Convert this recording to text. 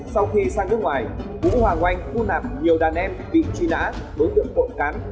sau khi sang nước ngoài vũ hoàng oanh phun nạp nhiều đàn em bị tri nát bớt được cộng cán